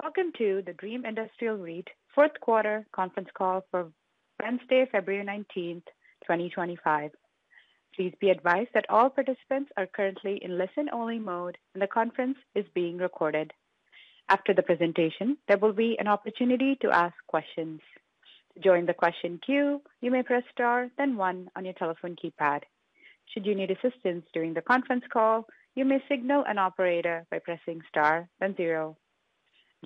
Welcome to the Dream Industrial REIT Fourth Quarter Conference Call for Wednesday, February 19, 2025. Please be advised that all participants are currently in listen-only mode and the conference is being recorded. After the presentation there will be an opportunity to ask questions. During the question queue you may press star then one on your telephone keypad. Should you need assistance during the conference call, you may signal an operator by pressing star and zero.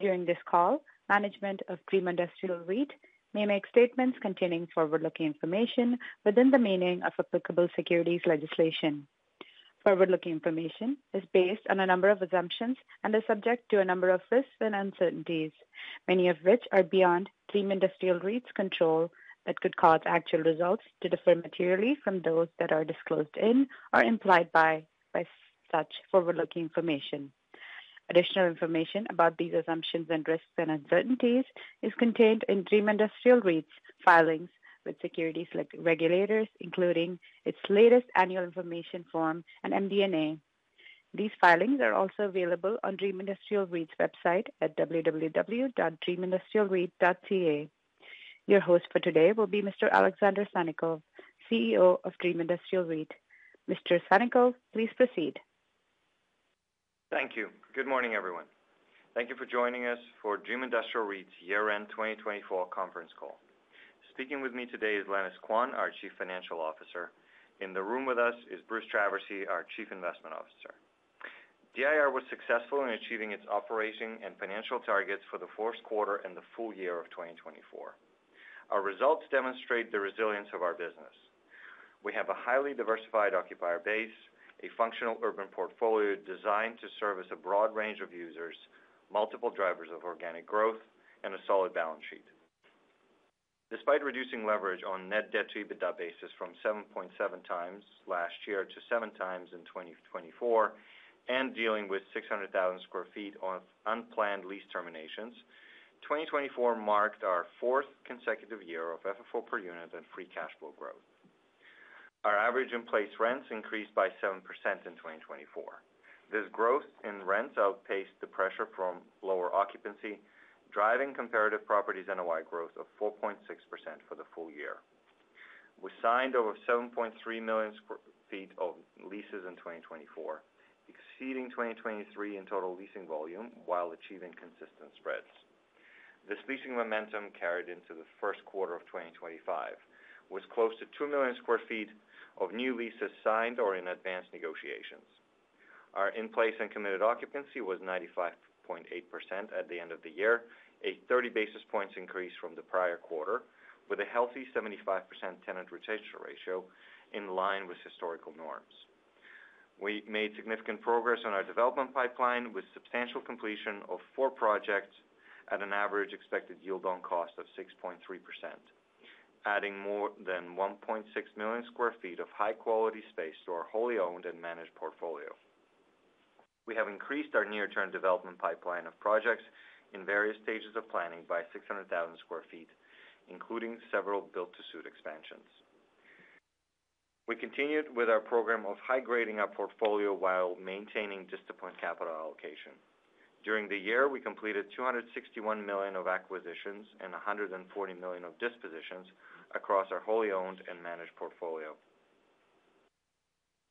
During this call, Management of Dream Industrial REIT may make statements containing forward-looking information within the meaning of applicable securities legislation. Forward-looking information is based on a number of assumptions and is subject to a number of risks and uncertainties, many of which are beyond Dream Industrial REIT's control that could cause actual results to differ materially from those that are disclosed in or implied by such forward-looking information. Additional information about these assumptions and risks and uncertainties is contained in Dream Industrial REIT's filings with securities regulators, including its latest Annual Information Form and MD&A. These filings are also available on Dream Industrial REIT's website at www.dreamindustrialreit.ca. Your host for today will be Mr. Alexander Sannikov, CEO of Dream Industrial REIT. Mr. Sannikov, please proceed. Thank you. Good morning everyone. Thank you for joining us for Dream Industrial REIT's Year End 2024 Conference Call. Speaking with me today is Lenis Quan, our Chief Financial Officer. In the room with us is Bruce Traversey, our Chief Investment Officer. DIR was successful in achieving its operating and financial targets for the fourth quarter and the full year of 2024. Our results demonstrate the resilience of our business. We have a highly diversified occupier base, a functional urban portfolio designed to service a broad range of users, multiple drivers of organic growth and a solid balance sheet. Despite reducing leverage on net debt to EBITDA basis from 7.7 times last year to 7 times in 2024 and dealing with 600,000 sq ft of unplanned lease terminations, 2024 marked our fourth consecutive year of FFO per unit and free cash flow growth. Our average in place rents increased by 7% in 2024. This growth in rents outpaced the pressure from lower occupancy, driving Comparative Properties NOI growth of 4.6% for the full year. We signed over 7.3 million sq ft of leases in 2024, exceeding 2023 in total leasing volume while achieving consistent spreads. This leasing momentum carried into the first quarter of 2025 with close to 2 million sq ft of new leases signed or in advanced negotiations. Our in place and committed occupancy was 95.8% at the end of the year, a 30 basis points increase from the prior quarter with a healthy 75% tenant retention ratio in line with historical norms. We made significant progress on our development pipeline with substantial completion of four projects at an average expected yield on cost of 6.3%. Adding more than 1.6 million sq ft of high-quality space to our wholly-owned and managed portfolio. We have increased our near-term development pipeline of projects in various stages of planning by 600,000 sq ft including several built-to-suit expansions. We continued with our program of high grading our portfolio while maintaining disciplined capital allocation. During the year we completed 261 million of acquisitions and 140 million of dispositions across our wholly owned and managed portfolio.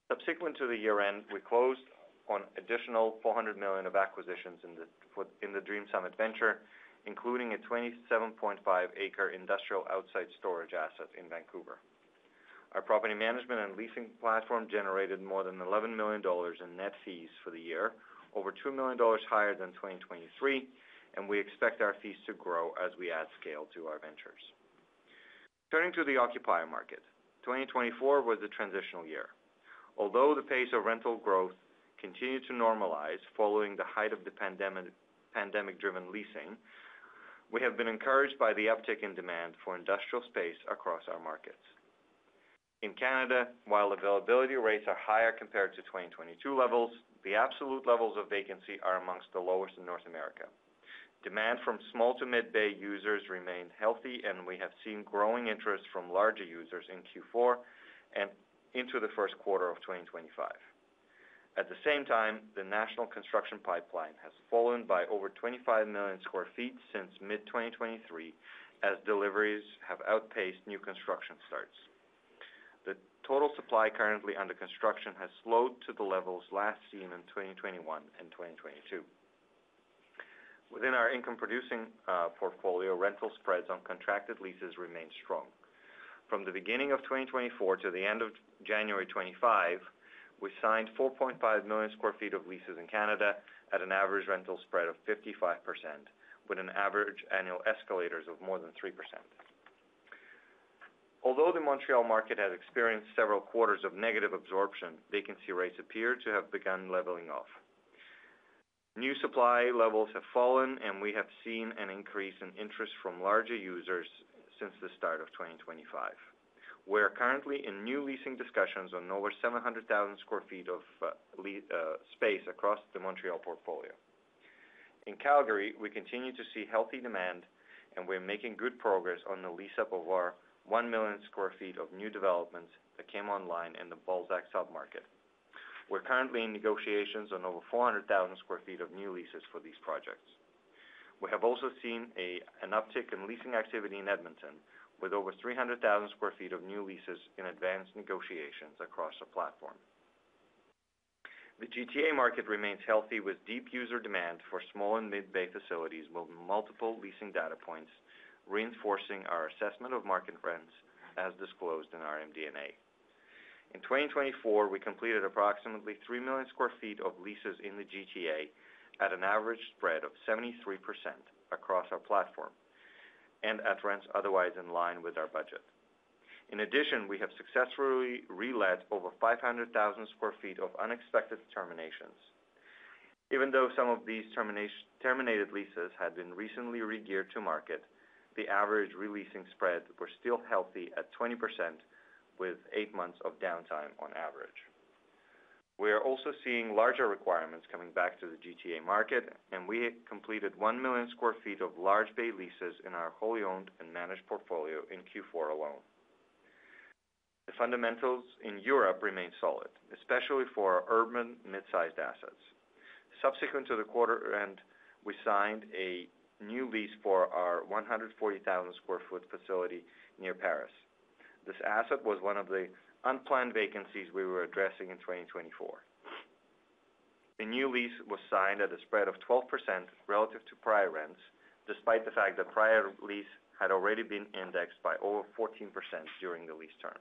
Subsequent to the year-end, we closed on additional 400 million of acquisitions in the Dream Summit Venture, including a 27.5-acre industrial outside storage asset in Vancouver. Our property management and leasing platform generated more than 11 million dollars in net fees for the year, over 2 million dollars higher than 2023, and we expect our fees to grow as we add scale to our ventures. Turning to the occupier market, 2024 was a transitional year. Although the pace of rental growth continue to normalize following the height of the pandemic-driven leasing, we have been encouraged by the uptick in demand for industrial space across our markets in Canada. While availability rates are higher compared to 2022 levels, the absolute levels of vacancy are among the lowest in North America. Demand from small to mid bay users remained healthy and we have seen growing interest from larger users in Q4 and into the first quarter of 2025. At the same time, the national construction pipeline has fallen by over 25 million sq ft since mid-2023 as deliveries have outpaced new construction starts. The total supply currently under construction has slowed to the levels last seen in 2021 and 2022 within our income producing portfolio. Rental spreads on contracted leases remain strong. From the beginning of 2024 to the end of January 25th, we signed 4.5 million sq ft of leases in Canada at an average rental spread of 55% with an average annual escalators of more than 3%. Although the Montreal market has experienced several quarters of negative absorption, vacancy rates appear to have begun leveling off. New supply levels have fallen and we have seen an increase in interest from larger users since the start of 2025. We are currently in new leasing discussions on over 700,000 sq ft of space across the Montreal portfolio in Calgary. We continue to see healthy demand and we're making good progress on the lease up of our 1 million sq ft of new developments that came online in the Balzac submarket. We're currently in negotiations on over 400,000 sq ft of new leases for these properties projects. We have also seen an uptick in leasing activity in Edmonton with over 300,000 sq ft of new leases in advanced negotiations across the platform. The GTA market remains healthy with deep user demand for small and mid bay facilities with multiple leasing data points reinforcing our assessment of market rents. As disclosed in our MD&A. In 2024 we completed approximately 3 million sq ft of leases in the GTA at an average spread of 73% across our platform and at rents otherwise in line with our budget. In addition, we have successfully relet over 500,000 sq ft of unexpected terminations. Even though some of these terminated leases had been recently re-geared to market, the average re-leasing spread were still healthy at 20% with eight months of downtime on average. We are also seeing larger requirements coming back to the GTA market and we completed 1 million sq ft of large bay leases in our wholly owned and managed portfolio in Q4 alone. The fundamentals in Europe remain solid, especially for urban mid-sized assets. Subsequent to the quarter end, we signed a new lease for our 140,000 sq ft facility near Paris. This asset was one of the unplanned vacancies we were addressing in 2024. A new lease was signed at a spread of 12% relative to prior rents despite the fact that prior lease had already been indexed by over 14% during the lease term.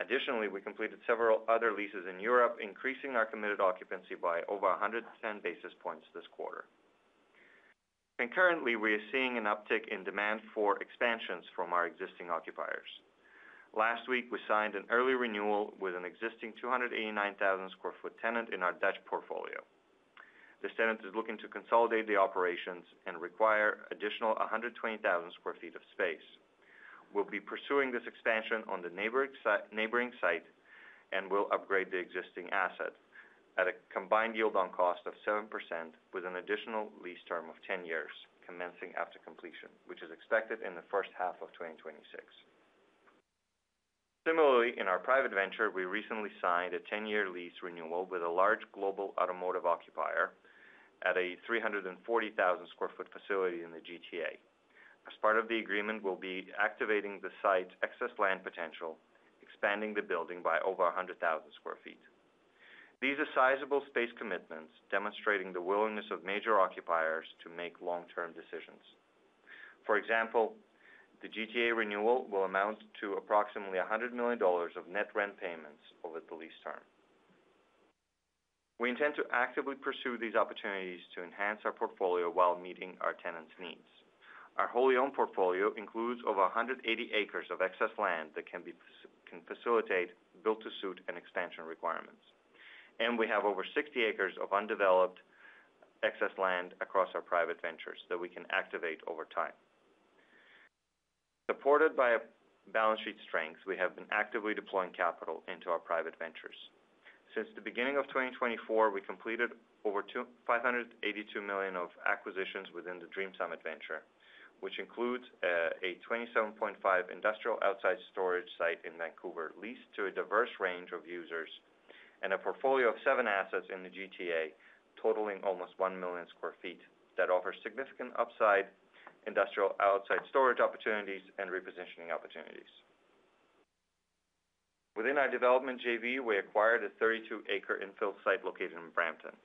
Additionally, we completed several other leases in Europe, increasing our committed occupancy by over 110 basis points this quarter. Concurrently, we are seeing an uptick in demand for expansions from our existing occupiers. Last week we signed an early renewal with an existing 289,000 sq ft tenant in our Dutch portfolio. This tenant is looking to consolidate the operations and require additional 120,000 sq ft of space. We'll be pursuing this expansion on the neighboring site and will upgrade the existing asset at a combined yield on cost of 7% with an additional lease term of 10 years commencing after completion, which is expected in the first half of 2026. Similarly, in our private venture we recently signed a 10-year lease renewal with a large global automotive occupier at a 340,000 sq ft facility in the GTA. As part of the agreement we'll be activating the site's excess land potential, expanding the building by over 100,000 sq ft. These are sizable space commitments demonstrating the willingness of major occupiers to make long term decisions. For example, the GTA renewal will amount to approximately 100 million dollars of net rent payments over the lease term. We intend to actively pursue these opportunities to enhance our portfolio while meeting our tenants' needs. Our wholly owned portfolio includes over 180 acres of excess land that can facilitate built-to-suit and extension requirements and we have over 60 acres of undeveloped excess land across our private ventures that we can activate over time. Supported by balance sheet strength. We have been actively deploying capital into our private ventures since the beginning of 2024. We completed over 582 million of acquisitions within the Dream Summit Venture which includes a 27.5 industrial outside storage site in Vancouver leased to a diverse range of users and a portfolio of seven assets in the GTA totaling almost 1 million sq ft that offer significant upside industrial outside storage opportunities and repositioning opportunities. Within our development JV, we acquired a 32-acre infill site located in Brampton.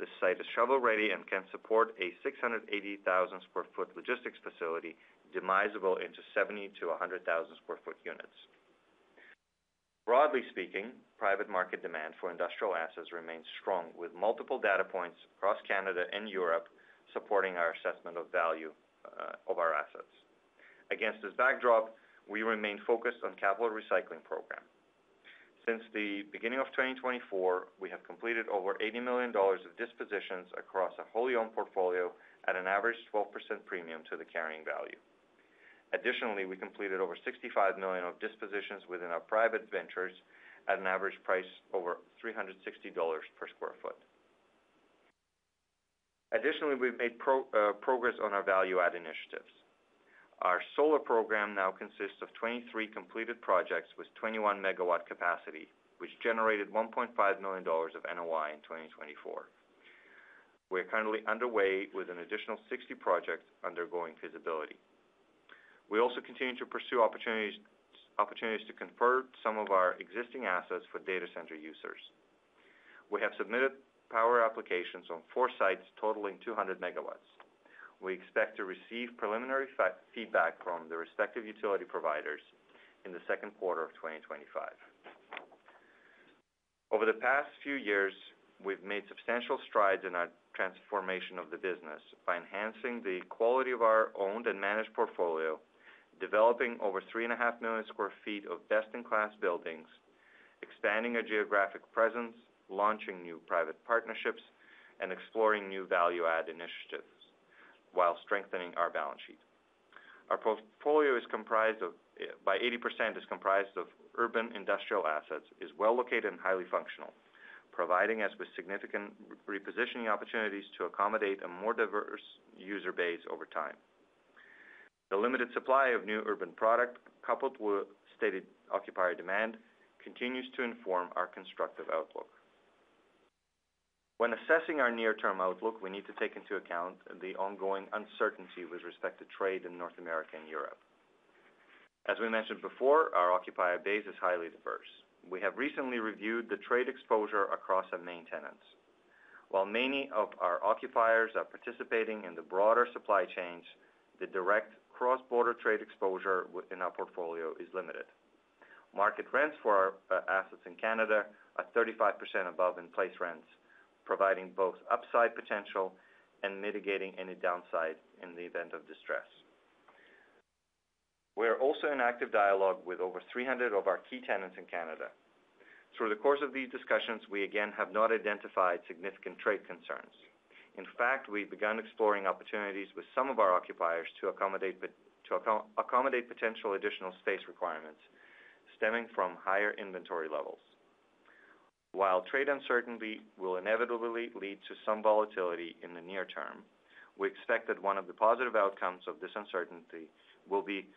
This site is shovel ready and can support a 680,000 sq ft logistics facility demisable into 70-100,000 sq ft units. Broadly speaking, private market demand for industrial assets remains strong with multiple data points across Canada and Europe supporting our assessment of value of our assets. Against this backdrop, we remain focused on capital recycling program. Since the beginning of 2024, we have completed over 80 million dollars of dispositions across a wholly owned portfolio at an average 12% premium to the carrying value. Additionally, we completed over 65 million of dispositions within our private ventures at an average price over 360 dollars per sq ft. Additionally, we've made progress on our value add initiatives. Our solar program now consists of 23 completed projects with 21 megawatt capacity which generated 1.5 million dollars of NOI in 2024. We are currently underway with an additional 60 projects undergoing feasibility. We also continue to pursue opportunities to convert some of our existing assets for data center users. We have submitted power applications on four sites totaling 200 megawatts. We expect to receive preliminary feedback from the respective utility providers in the second quarter of 2025. Over the past few years, we've made substantial strides in our transformation of the business by enhancing the quality of our owned and managed portfolio, developing over 3.5 million sq ft of best in class buildings, expanding our geographic presence, launching new private partnerships and exploring new value add initiatives while strengthening our balance sheet. Our portfolio is comprised of 80% urban industrial assets, is well located and highly functional, providing us with significant repositioning opportunities to accommodate a more diverse user base over time. The limited supply of new urban product coupled with stated occupier demand continues to inform our constructive outlook. When assessing our near term outlook we need to take into account the ongoing uncertainty with respect to trade in North America and Europe. As we mentioned before, our occupier base is highly diverse. We have recently reviewed the trade exposure across our main tenants. While many of our occupiers are participating in the broader supply chains, the direct cross border trade exposure in our portfolio is limited. Market rents for our assets in Canada are 35% above in place rents, providing both upside potential and mitigating any downside in the event of distress. We are also in active dialogue with over 300 of our key tenants in Canada. Through the course of these discussions we again have not identified significant trade concerns. In fact, we've begun exploring opportunities with some of our occupiers to accommodate potential additional space requirements stemming from higher inventory levels. While trade uncertainty will inevitably lead to some volatility in the near term, we expect that one of the positive outcomes of this uncertainty will be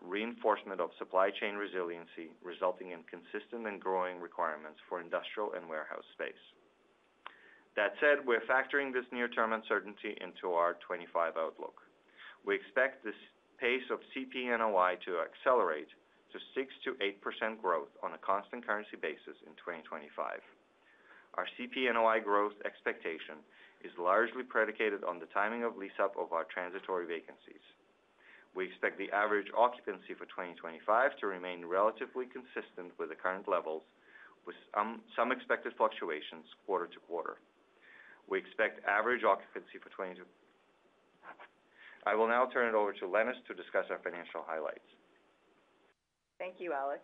reinforcement of supply chain resiliency resulting in consistent and growing requirements for industrial and warehouse space. That said, we're factoring this near term uncertainty into our 2025 outlook. We expect this pace of CP NOI to accelerate to 6%-8% growth on a constant currency basis in 2025. Our CP NOI growth expectation is largely predicated on the timing of lease up of our transitory vacancies. We expect the average occupancy for 2025 to remain relatively consistent with the current levels with some expected fluctuations quarter to quarter. We expect average occupancy for 2020. I will now turn it over to Lenis to discuss our financial highlights. Thank you, Alex.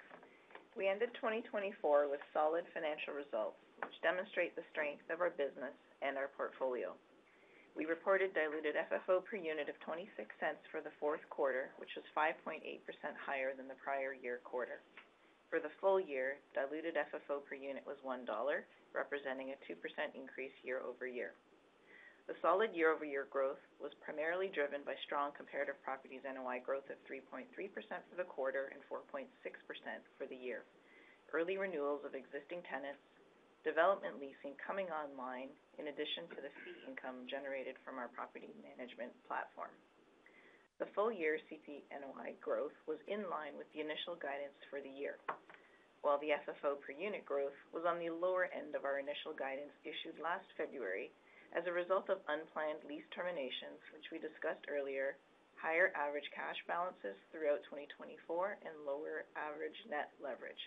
We ended 2024 with solid financial results which demonstrate the strength of our business and our portfolio. We reported diluted FFO per unit of $0.26 for the fourth quarter, which was 5.8% higher than the prior year quarter. For the full year, diluted FFO per unit was $1, representing a 2% increase year over year. The solid year over year growth was primarily driven by strong Comparative Properties NOI growth of 3.3% for the quarter and 4.6% for the year. Early renewals of existing tenants, development leasing coming online, in addition to the fee income generated from our property management platform, the full year CP NOI growth was in line with the initial guidance for the year, while the FFO per unit growth was on the lower end of our initial guidance issued last February as a result of unplanned lease terminations, which we discussed earlier. Higher average cash balances throughout 2024 and lower average net leverage.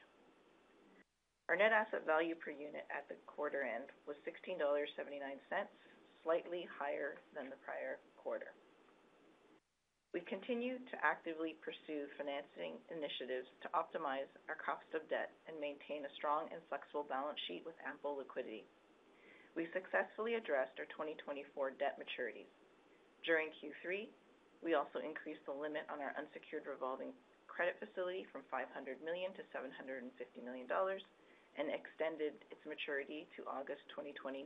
Our net asset value per unit at the quarter end was $16.79, slightly higher than the prior quarter. We continue to actively pursue financing initiatives to optimize our cost of debt and maintain a strong and flexible balance sheet with ample liquidity. We successfully addressed our 2024 debt maturities during Q3. We also increased the limit on our unsecured revolving credit facility from CAD$500 million to CAD$750 million and extended its maturity to August 2029.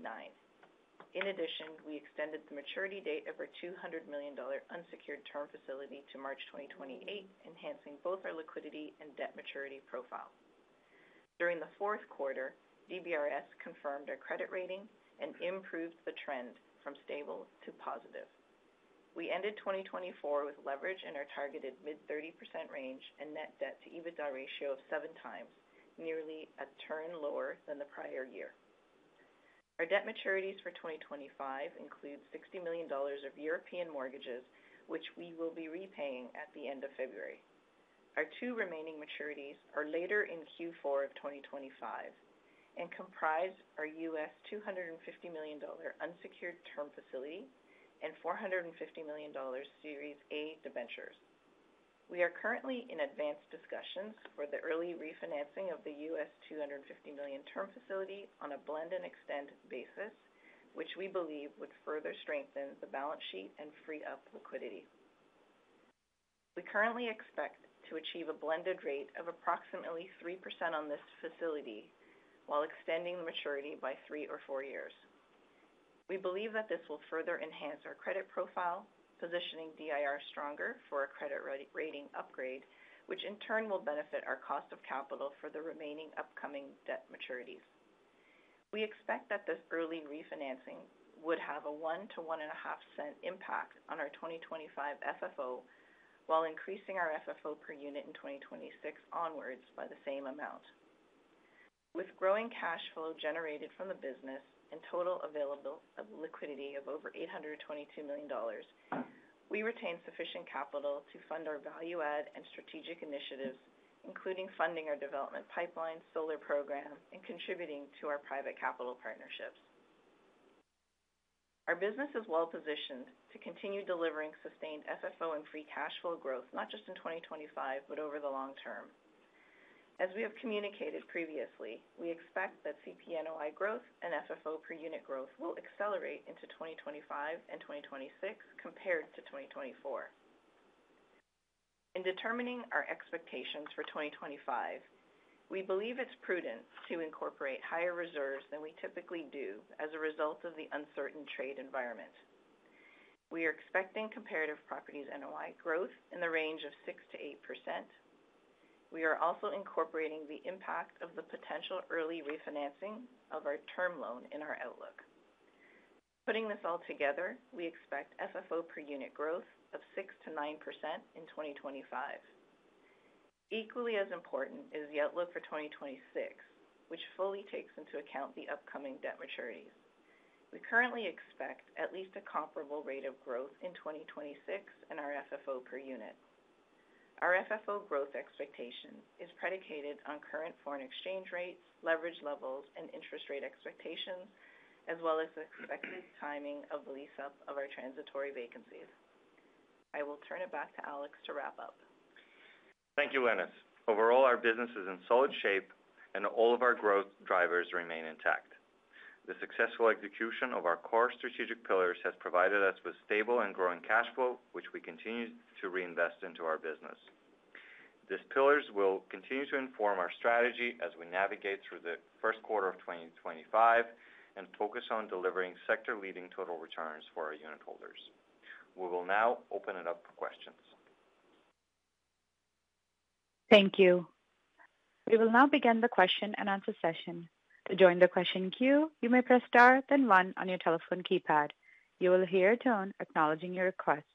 In addition, we extended the maturity date of our CAD$200 million unsecured term facility to March 2028, enhancing both our liquidity and debt maturity profile. During the fourth quarter, DBRS confirmed our credit rating and improved the trend from stable to positive. We ended 2024 with leverage in our targeted mid-30% range and net debt to EBITDA ratio of 7 times, nearly a turn lower than the prior year. Our debt maturities for 2025 include CAD$60 million of European mortgages which we will be repaying at the end of February. Our two remaining maturities are later in Q4 of 2025 and comprise our US$250 million unsecured term facility and $450 million Series A Debentures. We are currently in advanced discussions for the early refinancing of the US$250 million term facility on a blend-and-extend basis which we believe would further strengthen the balance sheet and free up liquidity. We currently expect to achieve a blended rate of approximately 3% on this facility while extending the maturity by three or four years. We believe that this will further enhance our credit profile positioning DIR stronger for a credit rating upgrade which in turn will benefit our cost of capital for the remaining upcoming debt maturities. We expect that this early refinancing will have a 1- to 1.5-cent impact on our 2025 FFO while increasing our FFO per unit in 2026 onwards by the same amount. With growing cash flow generated from the business and total available liquidity of over 822 million dollars, we retain sufficient capital to fund our value add and strategic initiatives including funding our development pipeline, solar program and contributing to our private capital partnerships. Our business is well positioned to continue delivering sustained FFO and free cash flow growth not just in 2025, but over the long term. As we have communicated previously, we expect that CP NOI growth and FFO per unit growth will accelerate into 2025 and 2026 compared to 2024. In determining our expectations for 2025, we believe it's prudent to incorporate higher reserves than we typically do. As a result of the uncertain trade environment, we are expecting Comparative Properties NOI growth in the range of 6%-8%. We are also incorporating the impact of the potential early refinancing of our term loan in our outlook. Putting this all together, we expect FFO per unit growth of 6%-9% in 2025. Equally as important is the outlook for 2026, which fully takes into account the upcoming debt maturities. We currently expect at least a comparable rate of growth in 2026 in our FFO per unit. Our FFO growth expectation is predicated on current foreign exchange rates, leverage levels and interest rate expectations, as well as expected timing of the lease up of our transitory vacancies. I will turn it back to Alex to wrap up. Thank you, Lenis. Overall, our business is in solid shape and all of our growth drivers remain intact. The successful execution of our core strategic pillars has provided us with stable and growing cash flow which we continue to reinvest into our business. These pillars will continue to inform our strategy as we navigate through the first quarter of 2025 and focus on delivering sector leading total returns for our unitholders. We will now open it up for questions. Thank you. We will now begin the question and answer session. To join the question queue you may press star then 1. On your telephone keypad you will hear a tone acknowledging your request.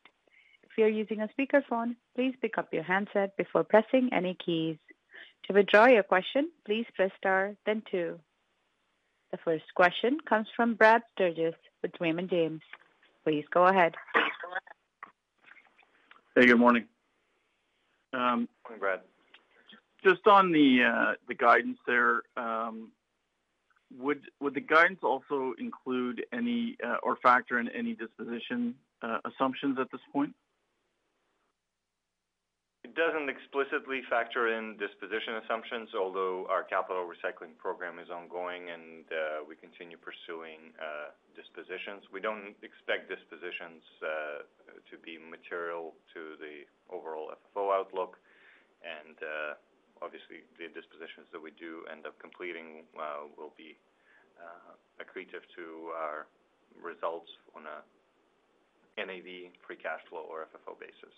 If you're using a speakerphone, please pick up your handset before pressing any keys. To withdraw your question, please press Star then two. The first question comes from Brad Sturges with Raymond James. Please go ahead. Hey, good morning. Brad, just on the guidance there. Would the guidance also include any or factor in any disposition assumptions at this point? It doesn't explicitly factor in disposition assumptions. Although our capital recycling program is ongoing and we are pursuing dispositions, we don't expect dispositions to be material to the overall FFO outlook, and obviously the dispositions that we do end up completing will be accretive to our results on a NAV free cash flow or FFO basis.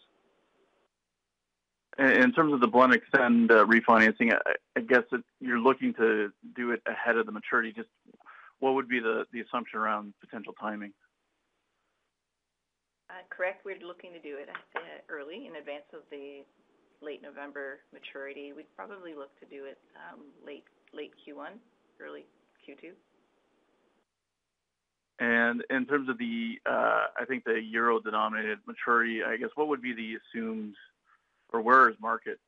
In terms of blend-and-extend refinancing, I guess you're looking to do it ahead of the maturity. Just what would be the assumption around potential timing? Correct. We're looking to do it early in advance of the late November maturity. We'd probably look to do it late Q1, early Q2. In terms of the, I think, the euro-denominated maturity, I guess what would be the assumed, or where is market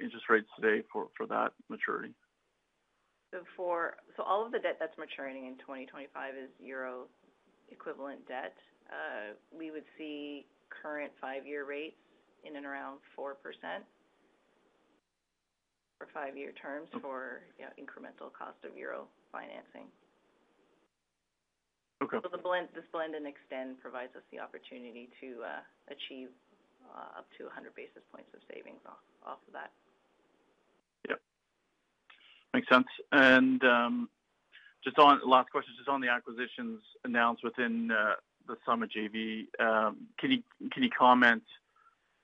interest rates today for that maturity? All of the debt that's maturing in 2025 is Euro equivalent debt. We would see current five-year rates in and around 4%. For five-year terms for incremental cost of Euro financing. This blend-and-extend provides us the opportunity to achieve up to 100 basis points of savings off of that. Yep, makes sense. Just on last question just on the acquisitions announced within the Summit JV, can you comment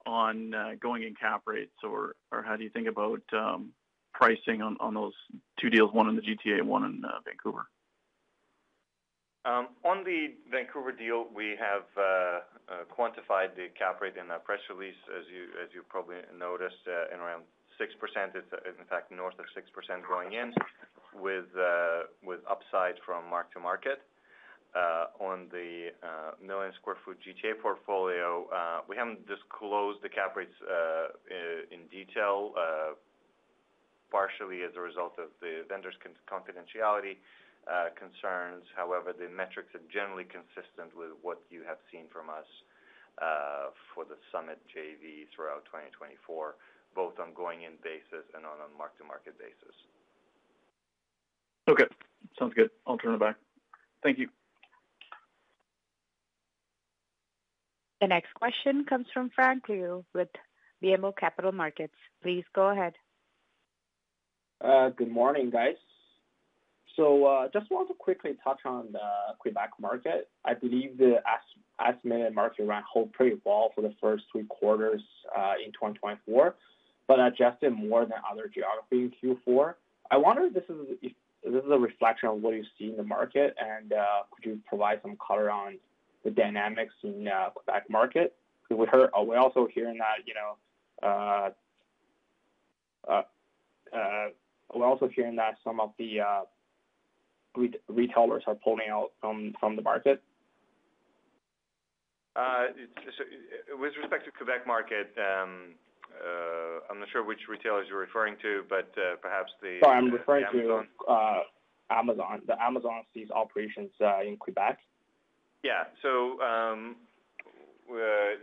on going in cap rates or how do you think about pricing on those two deals? One in the GTA, one in Vancouver. On the Vancouver deal we have quantified the cap rate in our press release as you probably noticed in around 6%. In fact north of 6% going in with upside from mark to market. On the 1 million sq ft GTA portfolio we haven't disclosed the cap rates in detail. Partially as a result of the vendors' confidentiality concerns. However, the metrics are generally consistent with what you have seen from us for the Summit JV throughout 2024 both on a going-in basis and on a mark-to-market basis. Okay, sounds good. I'll turn it back. Thank you. The next question comes from Frank Liu with BMO Capital Markets. Please go ahead. Good morning, guys. So just want to quickly touch on the Quebec market. I believe the estimated market rent hold pretty well for the first three-quarters in 2024, but adjusted more than other geographies in Q4. I wonder if this is a reflection of what you see in the market. And could you provide some color on the dynamics in Quebec market. We're also hearing that, you know. We're also hearing that some of the. Retailers are pulling out from the market. With respect to Quebec market. I'm not sure which retailers you're referring to. Sorry, I'm referring to Amazon. The Amazon's operations in Quebec. Yeah, so.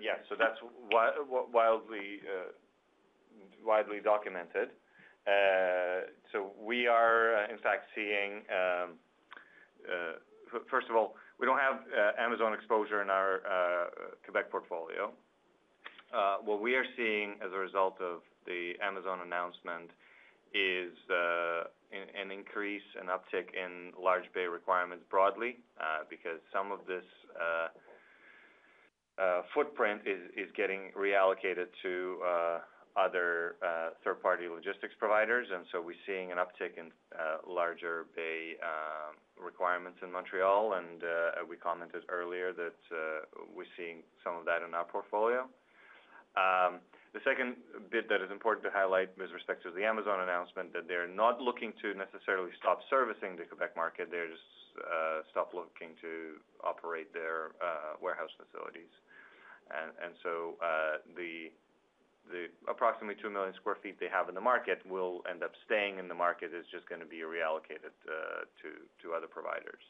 Yes, so that's. Widely documented. We are in fact seeing. First of all, we don't have Amazon exposure in our Quebec portfolio. What we are seeing as a result of the Amazon announcement is an increase, an uptick in large bay requirements broadly because some of this. footprint is getting reallocated to other third-party logistics providers, and so we're seeing an uptick in larger bay requirements in Montreal and we commented earlier that we're seeing some of that in our portfolio. The second bit that is important to highlight with respect to the Amazon announcement, that they're not looking to necessarily stop servicing the capacity market. They just stop looking to operate their warehouse facilities, and so the approximately 2 million sq ft they have in the market will end up staying and the market is just going to be reallocated to other providers.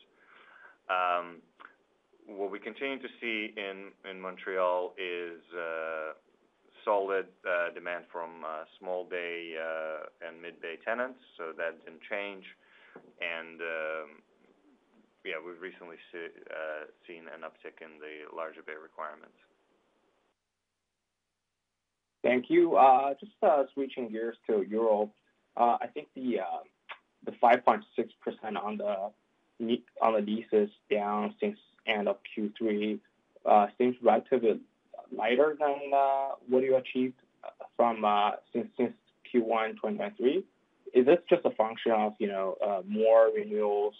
What we continue to see in Montreal is solid demand from small bay and mid bay tenants. So that didn't change. And. Yeah, we've recently seen an uptick in the larger bay requirements. Thank you. Just switching gears to Europe. I think the 5.6% on the leases down since end of Q3 seems relatively lighter than what you achieved from since Q1 2023. Is this just a function of more renewals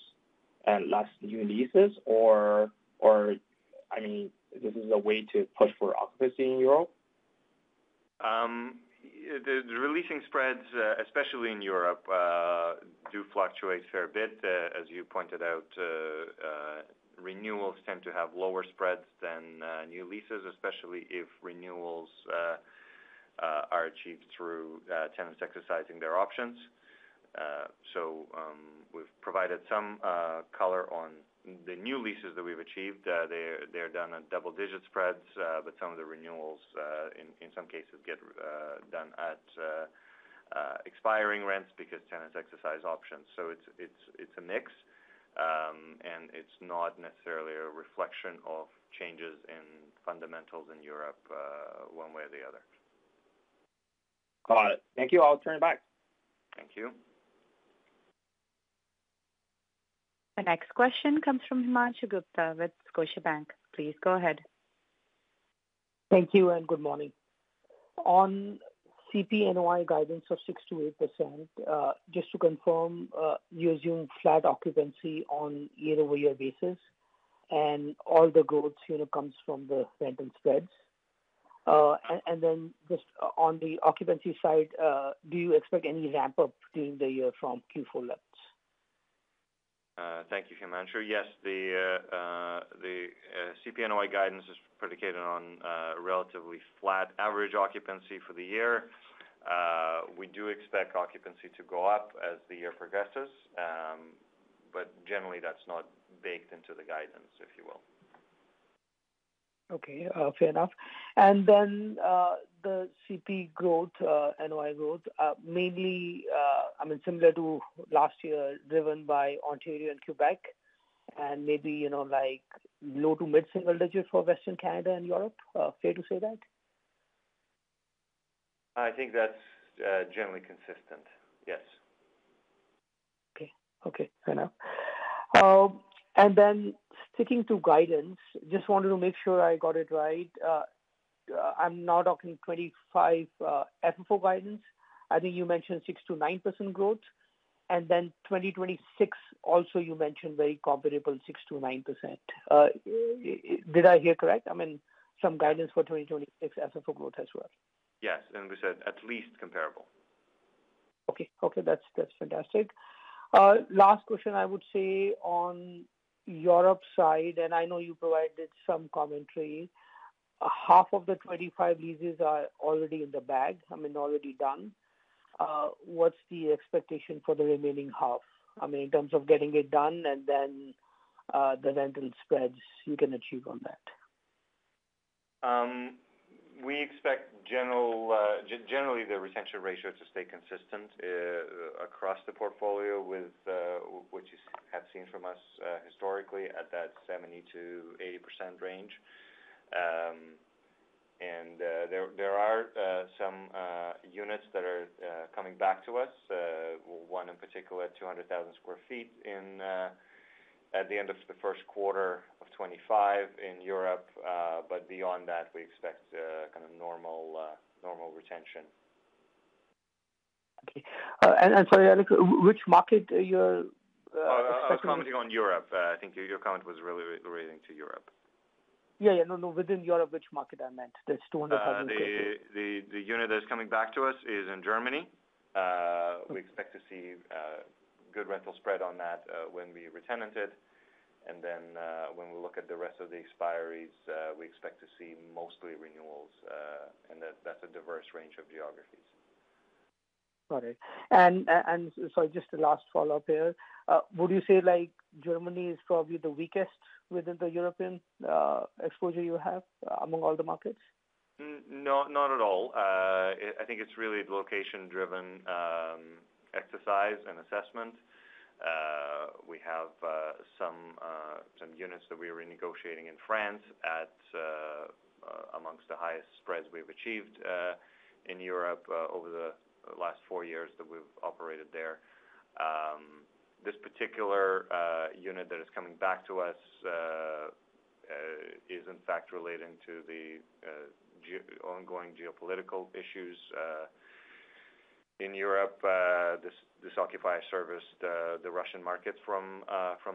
and less new leases or? I mean, this is a way to push for occupancy in Europe. The releasing spreads, especially in Europe, do fluctuate a fair bit. As you pointed out, renewals tend to have lower spreads than new leases, especially if renewals are achieved through tenants exercising their options. So we've provided some color on the new leases that we've achieved. They're done on double-digit spreads. But some of the renewals in some cases get done at expiring rents because tenants exercise options. So it's a mix and it's not necessarily a reflection of changes in fundamentals in Europe one way or the other. Got it. Thank you. I'll turn it back. Thank you. The next question comes from Himanshu Gupta with Scotiabank. Please go ahead. Thank you. And good morning. On CP NOI guidance of 6%-8%. Just to confirm, you assume flat occupancy on year over year basis and all the growth comes from the rental spreads. And then just on the occupancy side, do you expect any ramp up during the year from Q4 levels? Thank you, Himanshu. Yes, the CPNOI guidance is predicated on relatively flat average occupancy for the year. We do expect occupancy to go up as the year progresses, but generally that's not baked into the guidance, if you will. Okay, fair enough. And then the CP growth, NOI growth mainly, I mean similar to last year driven by Ontario and Quebec and maybe you know, like low to mid single digit for Western Canada and Europe. Fair to say that. I think that's generally consistent. Yes. Okay. Okay, fair enough. And then sticking to guidance. Just wanted to make sure I got it right. I'm now talking 2025 FFO guidance. I think you mentioned 6%-9% growth. And then 2026. Also you mentioned very comparable 6%-9%. Did I hear correct? I mean, some guidance for 2025 and. 26 FFO growth as well. Yes, and we said at least comparable. Okay, okay, that's fantastic. Last question, I would say on Europe side and I know you provided some commentary. Half of the 25 leases are already in the bag. I mean already done. What's the expectation for the remaining half? I mean in terms of getting it done and then the rental spreads you can achieve on that. We expect generally the retention ratio to stay consistent across the portfolio, which you have seen from us historically at that 70%-80% range. And there are some units that are coming back to us. One in particular, 200,000 sq ft in at the end of 1Q25 in Europe. But beyond that we expect kind of normal retention. Sorry, Alex, which market you're commenting on? Europe. I think your comment was really relating to Europe. Yeah, no, no, within Europe. Which market? I meant that's 200,000 sq m. The unit that's coming back to us is in Germany. We expect to see good rental spread on that when we re-tenant it. And then when we look at the rest of the expiries, we expect to see mostly renewals. And that's a diverse range of geographies. All right, and so just a last follow up here. Would you say like Germany is probably the weakest within the European exposure you have among all the markets? No, not at all. I think it's really location driven exercise and assessment. We have some units that we are renegotiating in France, among the highest spreads we've achieved in Europe over the last four years that we've operated there. This particular unit that is coming back to us. Is in fact relating to the ongoing geopolitical issues. In Europe. This occupier serviced the Russian market from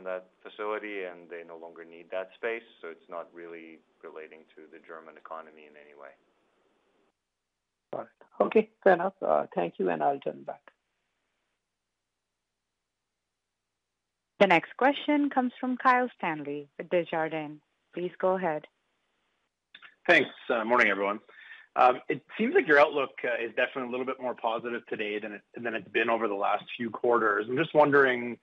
that facility and they no longer need that space. So it's not really relating to the German economy in any way. Okay, fair enough. Thank you, and I'll turn back. The next question comes from Kyle Stanley, Desjardins. Please go ahead. Thanks. Morning everyone. It seems like your outlook is definitely a little bit more positive today than it's been over the last few quarters. I'm just wondering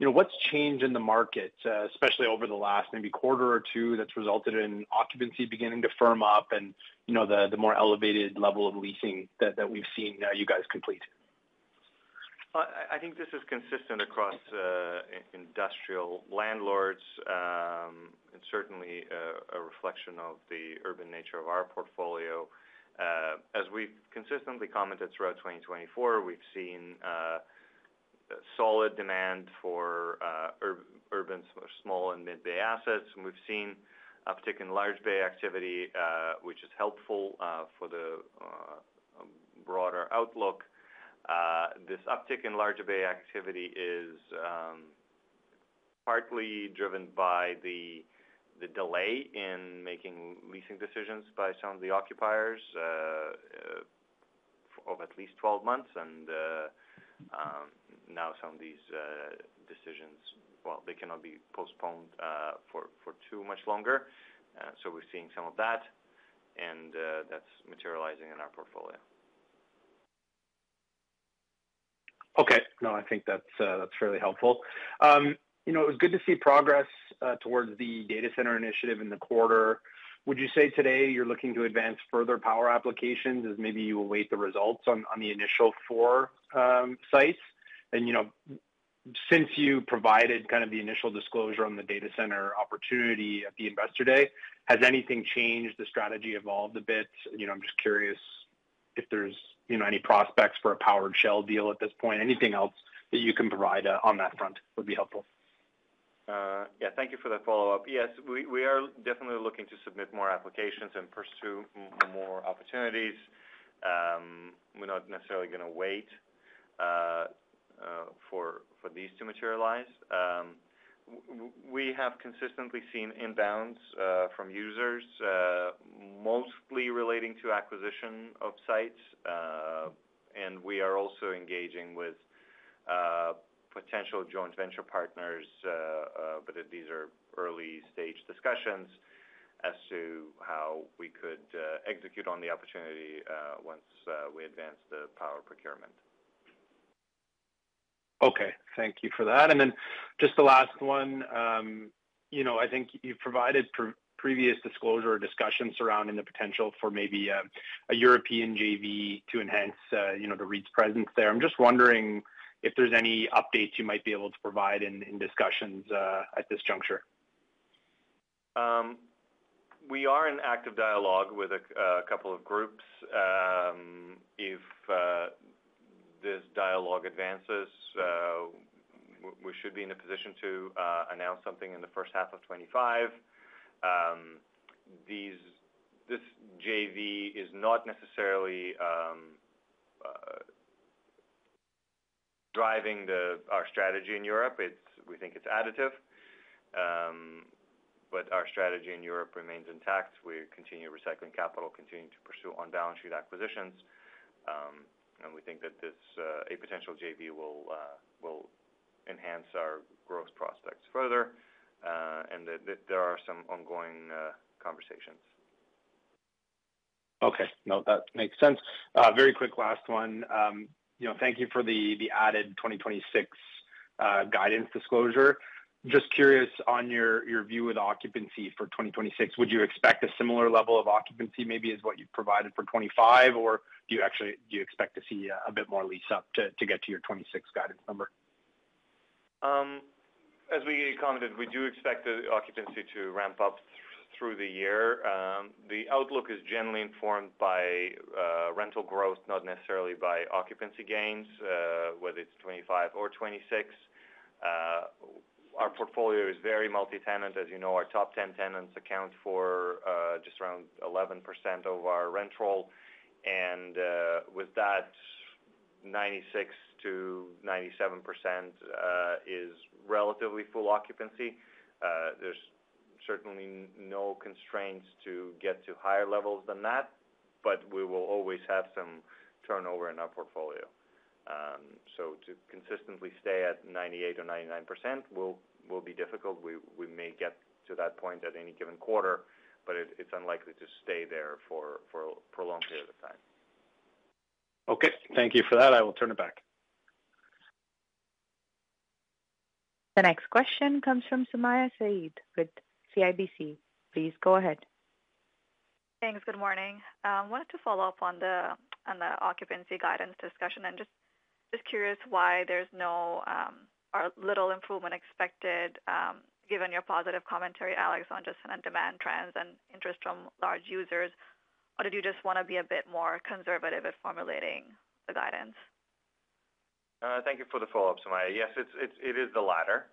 what's changed in the market, especially over the last maybe quarter or two, that's resulted in occupancy beginning to firm up and the more elevated level of leasing that we've seen you guys complete. I think this is consistent across industrial landlords and certainly a reflection of the urban nature of our portfolio. As we've consistently commented throughout 2024, we've seen. Solid demand for urban, small and mid bay assets and we've seen uptick in large bay activity, which is helpful for the broader outlook. This uptick in larger bay activity is. Partly driven by the delay in making leasing decisions by some of the occupiers. Of at least 12 months. Now some of these decisions, well, they cannot be postponed for too much longer. So we're seeing some of that and that's materializing in our portfolio. Okay. No, I think that's, that's fairly helpful. You know, it was good to see progress towards the data center initiative in the quarter. Would you say today you're looking to advance further power applications as maybe you await the results on the initial four sites? And you know, since you provided kind of the initial disclosure on the data center opportunity at the investor day, has anything changed? The strategy evolved a bit. You know, I'm just curious if there's any prospects for a powered shell deal at this point. Anything else that you can provide on that front would be helpful. Yeah. Thank you for the follow up. Yes, we are definitely looking to submit more applications and pursue more opportunities. We're not necessarily going to wait. For these to materialize. We have consistently seen inbounds from users mostly relating to acquisition of sites and we are also engaging with potential joint venture partners, but these are early stage discussions as to how we could execute on the opportunity once we advance the power procurement. Okay, thank you for that. And then just the last one. You know, I think you provided previous disclosure or discussion surrounding the potential for maybe a European JV to enhance, you know, the REIT's presence there. I'm just wondering if there's any updates you might be able to provide in discussions at this juncture. We are in active dialogue with a couple of groups. If this dialogue advances. We should be in a position to announce something in 1H25. This JV is not necessarily. Driving our strategy in Europe. We think it's additive. But our strategy in Europe remains intact. We continue recycling capital, continue to pursue on balance sheet acquisitions, and we think that this a potential JV will enhance our growth prospects further, and there are some ongoing conversations. Okay, no, that makes sense. Very quick last one. You know, thank you for the added 2026 guidance disclosure. Just curious on your view, with occupancy for 2026, would you expect a similar level of occupancy maybe as what you've provided for 25 or do you expect to see a bit more lease-up to get to your 26 guidance number? As we commented, we do expect the occupancy to ramp up through the year. The outlook is generally informed by rental growth, not necessarily by occupancy gains. Whether it's 2025 or 2026. Our portfolio is very multi tenant. As you know, our top 10 tenants account for just around 11% of our rent roll and with that, 96%-97% is relatively full occupancy. There's certainly no constraints to get to higher levels than that, but we will always have some turnover in our portfolio. So to consistently stay at 98% or 99% will be difficult. We may get to that point at any given quarter, but it's unlikely to stay there for a prolonged period of time. Okay, thank you for that. I will turn it back. The next question comes from Sumayya Syed with CIBC. Please go ahead. Thanks. Good morning. I wanted to follow up on the occupancy guidance discussion and just curious why there's no little improvement expected given your positive commentary, Alex, on just demand trends and interest from large users. Or did you just want to be a bit more conservative at formulating the guidance? Thank you for the follow up, Sumayya. Yes, it is the latter,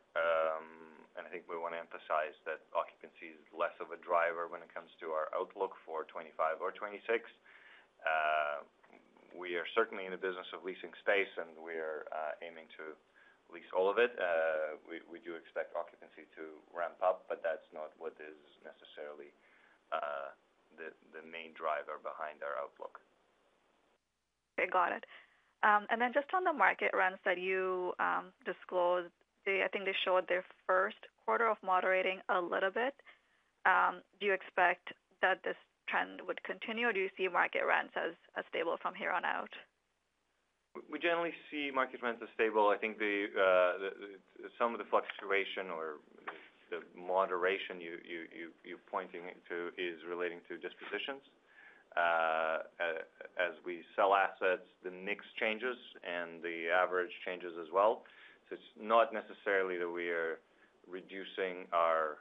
and I think we want to emphasize that occupancy is less of a driver when it comes to our outlook for 2025 or 2026. We are certainly in the business of leasing space and we are aiming to lease all of it. We do expect occupancy to ramp up, but that's not what is necessarily. The main driver behind our outlook. Got it. And then just on the market rents that you disclosed, I think they showed their first quarter of moderating a little bit. Do you expect that this trend would continue or do you see market rents as stable from here on out? We generally see market rents as stable. I think some of the fluctuation or the moderation you're pointing to is relating to dispositions. As we sell assets, the mix changes and the average changes as well. So it's not necessarily that we are reducing our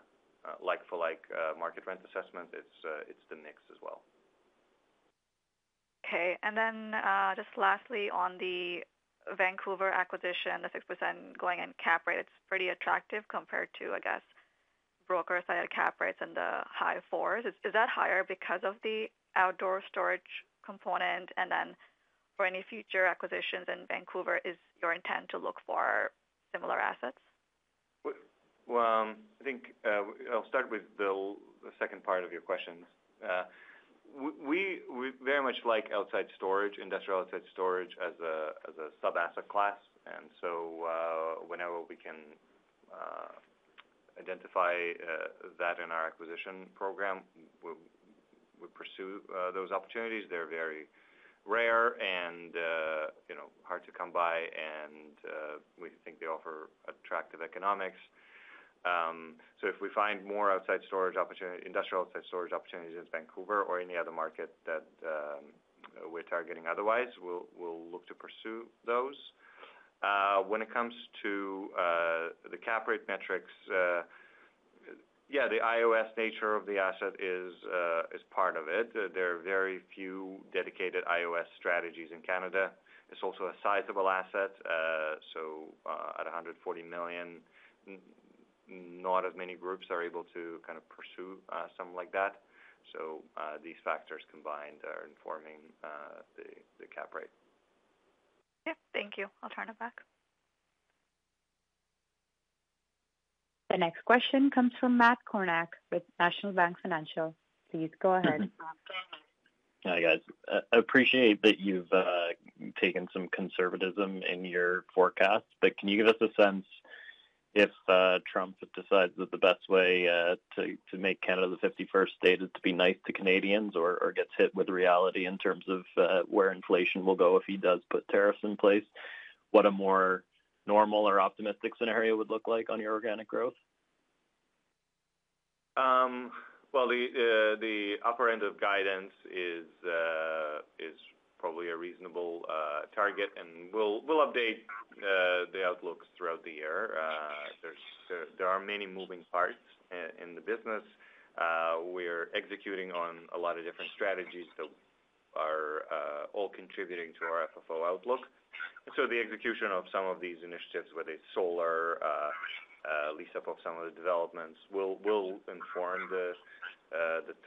like for like market rent assessment. It's the mix as well. Okay. And then just lastly on the Vancouver acquisition, the 6% going in cap rate, it's pretty attractive compared to I guess brokers that had cap rates in the high fours. Is that higher because of the outdoor storage component? And then for any future acquisitions in Vancouver, is your intent to look for similar assets? I think I'll start with the second part of your question. We very much like outside storage, industrial outside storage as a sub asset class, and so whenever we can. Identify that in our acquisition program, we pursue those opportunities. They're very rare and, you know, hard to come by, and we think they offer attractive economics. So if we find more outside storage opportunities, industrial outside storage opportunities in Vancouver or any other market that we're targeting, otherwise we'll look to pursue those when it comes to the cap rate metrics. Yeah, the IOS nature of the asset is part of it. There are very few dedicated IOS strategies in Canada. It's also a sizable asset. So at 140 million. Not as many groups are able to kind of pursue something like that. So these factors combined are informing the cap rate. Thank you. I'll turn it back. The next question comes from Matt Kornack with National Bank Financial. Please go ahead. Hi guys. Appreciate that you've taken some conservatism in your forecast, but can you give us a sense if Trump decides that the best way to make Canada the 51st state is to be nice to Canadians or gets hit with reality in terms of where inflation will go if he does put tariffs in place, what a more normal or optimistic scenario would look like on your organic growth? The upper end of guidance is. Probably a reasonable target and we'll update the outlook throughout the year. There are many moving parts in the business. We're executing on a lot of different strategies that are all contributing to our FFO outlook. So the execution of some of these initiatives, whether it's solar lease up of some of the developments, will inform the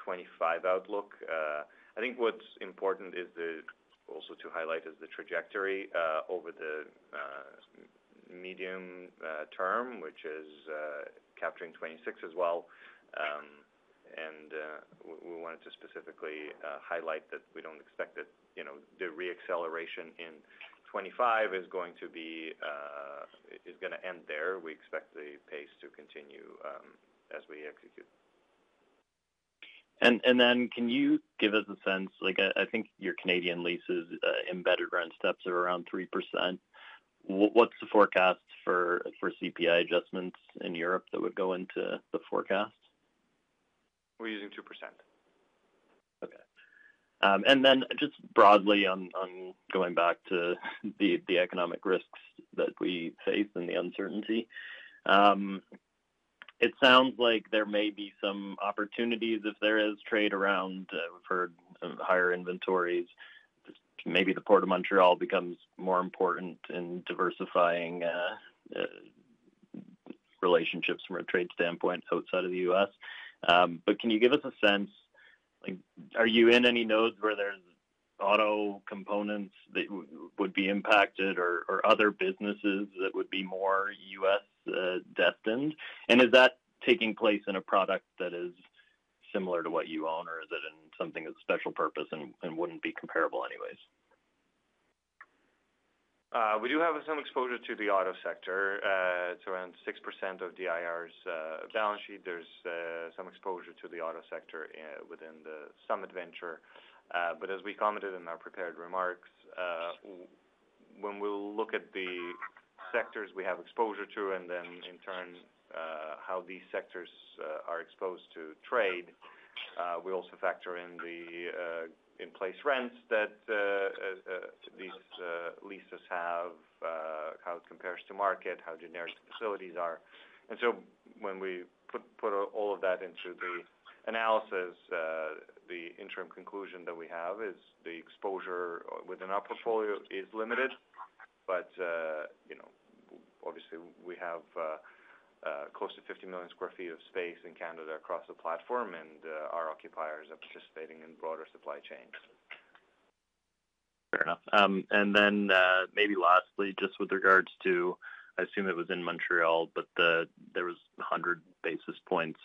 2025 outlook. I think what's important is the also to highlight is the trajectory over the medium term, which is capturing 2026 as well. And we wanted to specifically highlight that. We don't expect that, you know, the re acceleration in 2025 is going to end there. We expect the pace to continue as we execute. And then can you give us a sense? I think your Canadian leases embedded rent steps are around 3%. What's the forecast for CPI adjustments in Europe that would go into the forecast we're using 2%? Okay. And then just broadly on going back to the economic risks that we face and the uncertainty. It sounds like there may be some opportunities if there is trade around for higher inventories. Maybe the Port of Montreal becomes more important in diversifying. Relationships from a trade standpoint outside of the US, but can you give us a sense? Are you in any nodes where there's auto components that would be impacted or other businesses that would be more US destined? And is that taking place in a product that is similar to what you own or is it in something of special purpose and wouldn't be comparable anyways? We do have some exposure to the auto sector. It's around 6% of DIR's balance sheet. There's some exposure to the auto sector within the Summit Venture. But as we commented in our prepared remarks. When we look at the sectors we have exposure to and then in turn how these sectors are exposed to trade, we also factor in the in place rents that these leases have, how it compares to market, how generic facilities are. And so when we put all of that into the analysis, the interim conclusion that we have is the exposure within our portfolio is limited. But obviously we have close to 50 million sq ft of space in Canada across the platform and our occupiers are participating in broader supply chains. Fair enough. And then maybe lastly just with regards to, I assume it was in Montreal, but there was 100 basis points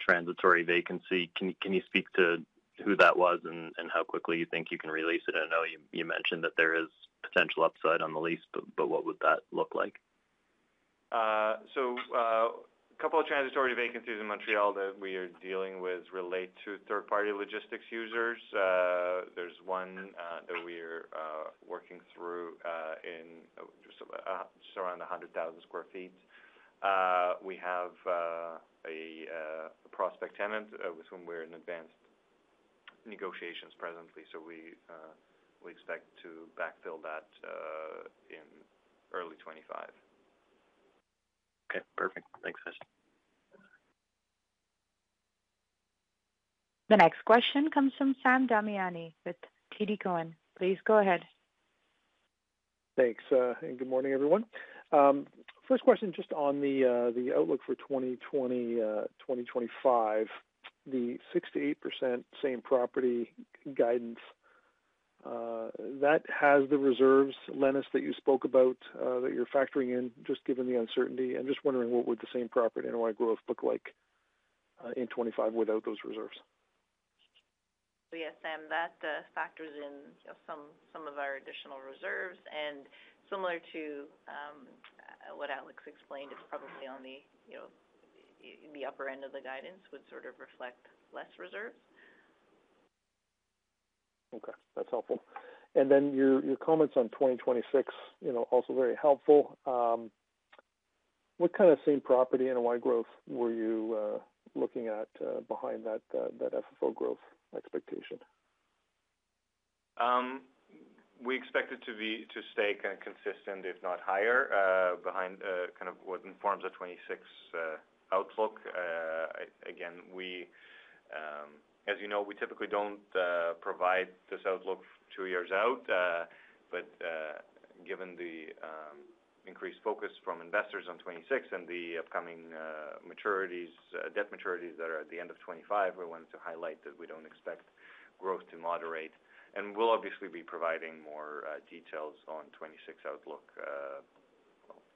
transitory vacancy. Can you speak to who that was and how quickly you think you can release it? I know you mentioned that there is potential upside on the lease, but what would that look like? A couple of transitory vacancies in Montreal that we are dealing with relate to third party logistics users. There's one that we are working through in around 100,000 sq ft. We have a prospective tenant with whom we're in advanced negotiations presently. We expect to backfill that in early 2025. Okay, perfect. Thanks Esther. The next question comes from Sam Damiani with TD Cowen. Please go ahead. Thanks and good morning everyone. First question just on the outlook for 2020, 2025, the 6%-8% same property guidance. That has the reserves, Lenis, that you spoke about that you're factoring in just given the uncertainty. I'm just wondering what would the same-property NOI growth look like in 2025 without those reserves? Yes, Sam, that factors in some of our additional reserves and, similar to what Alex explained, it's probably on the upper end of the guidance would sort of reflect less reserves. Okay, that's helpful, and then your comments on 2026 also very helpful. What kind of same-property NOI growth were you looking at behind that FFO growth expectation? We expect it to stay consistent if not higher behind kind of what informs a 2026 outlook. Again, as you know, we typically don't provide this outlook two years out, but given the increased focus from investors on 2026 and the upcoming maturities, debt maturities that are at the end of 2025, we wanted to highlight that we don't expect growth to moderate and we'll obviously be providing more details on 2026 outlook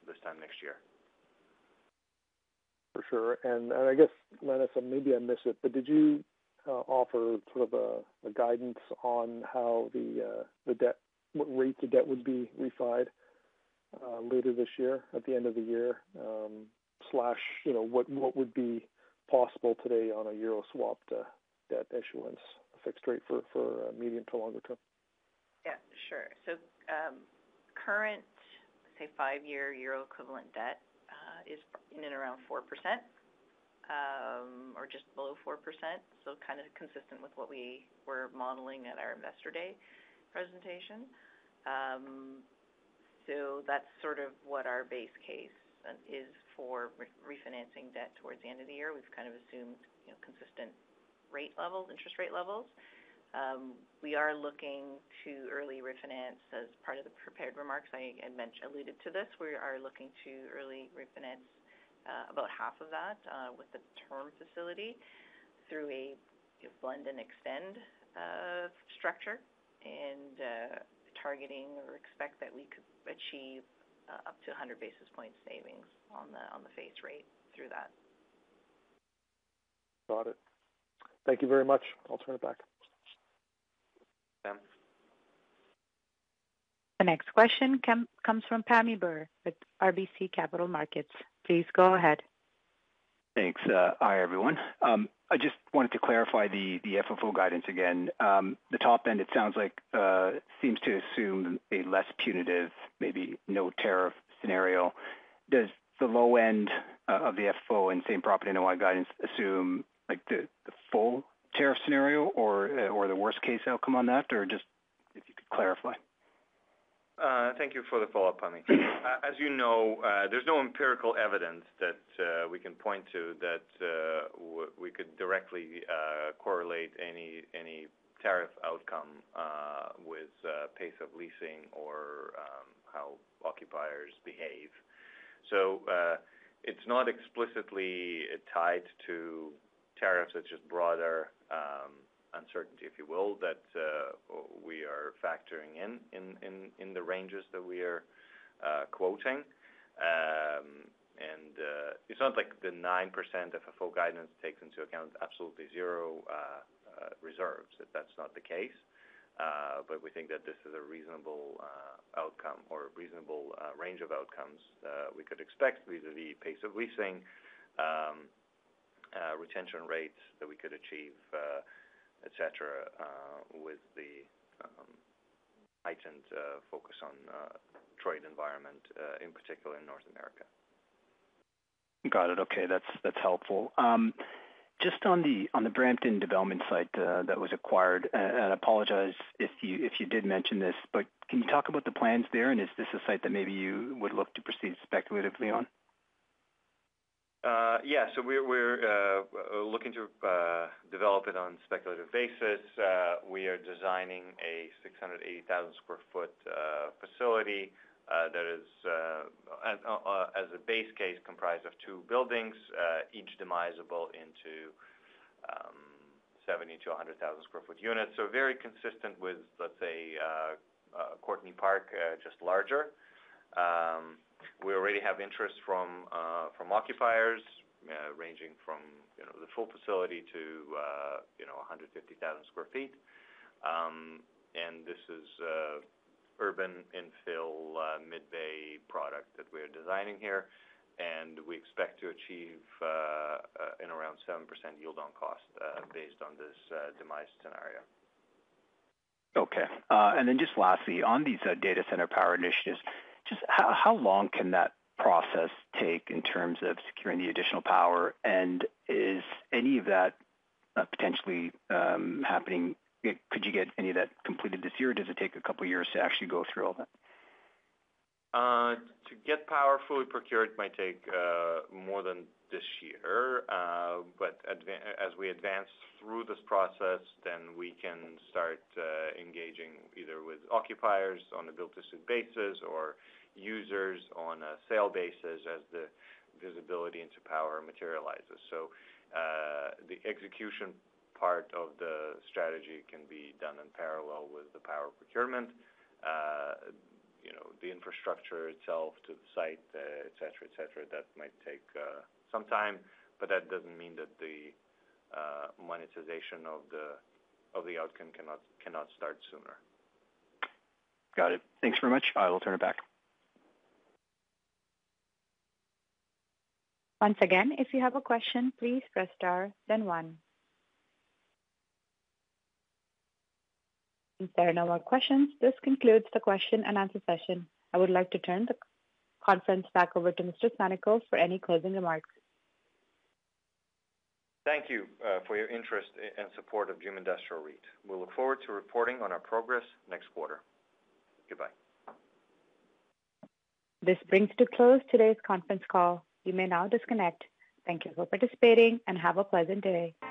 this time next year. For sure. And I guess Lenis, maybe I missed it, but did you offer sort of guidance on how, what rate the debt would be refinanced later this year or at the end of the year, you know, what would be possible today on a Euro-swapped debt issuance fixed rate for medium- to longer-term? Yeah, sure. So current, say, five-year Euro equivalent debt is in and around 4%. Or just below 4%. So kind of consistent with what we were modeling at our Investor Day presentation. So that's sort of what our base case is for refinancing debt towards the end of the year. We've kind of assumed consistent rate levels, interest rate levels. We are looking to early refinance as part of the prepared remarks. I alluded to this. We are looking to early refinance about half of that with the term facility through a blend-and-extend structure and targeting or expect that we could achieve up to 100 basis points savings on the face rate through that. Got it. Thank you very much. I'll turn it back. The next question comes from Pammi Bir with RBC Capital Markets. Please go ahead. Thanks. Hi everyone. I just wanted to clarify the FFO guidance again. The top end, it sounds like, seems to assume a less punitive, maybe no tariff scenario. Does the low end of the FFO and same property NOI guidance assume like the full tariff scenario or the worst case outcome on that? Or just if you could clarify. Thank you for the follow up on me. As you know, there's no empirical evidence that we can point to that we could directly correlate any tariff outcome with pace of leasing or how occupiers behave so it's not explicitly tied to tariffs, such as broader uncertainty if you will, that we are factoring in in the ranges that we are quoting. It's not like the 9% FFO guidance takes into account absolutely zero reserves. That's not the case. We think that this is a reasonable outcome or reasonable range of outcomes we could expect vis-à-vis the pace of leasing. Retention rates that we could achieve, et cetera, with the heightened focus on trade environment in particular in North America. Got it. Okay, that's helpful. Just on the Brampton development site that was acquired and I apologize if you did mention this, but can you talk about the plans there? And is this a site that maybe you would look to proceed specifically speculatively on? Yeah. So we're looking to develop it on speculative basis. We are designing a 680,000 sq ft facility that is, as a base case, comprised of two buildings, each demisable into. 70-100,000 sq ft units. So very consistent with let's say Courtneypark, just larger. We already have interest from occupiers ranging from the full facility to 150,000 sq ft. And this is urban infill mid bay product that we are designing here and we expect to achieve in around 7% yield on cost based on this demise scenario. Okay, and then just lastly on these data center power initiatives, just how long can that process take in terms of securing the additional power and is any of that potentially happening? Could you get any of that completed this year or does it take a couple years to actually go through all. To get power fully procured? Might take more than this year, but as we advance through this process then we can start engaging either with occupiers on a built-to-suit basis or users on a sale basis as the visibility into power materializes. So the execution part of the strategy can be done in parallel with the power procurement. The infrastructure itself to the site, et cetera, et cetera. That might take some time, but that doesn't mean that the monetization of the outcome cannot start sooner. Got it. Thanks very much. I will turn it back. Once again. If you have a question, please press star then one. Since there are no more questions, this concludes the question and answer session. I would like to turn the conference back over to Mr. Sannikov for any closing remarks. Thank you for your interest and support of Dream Industrial REIT. We look forward to reporting on our progress next quarter. Goodbye. This brings to close today's conference call. You may now disconnect. Thank you for participating and have a pleasant day.